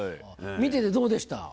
見ててどうでした？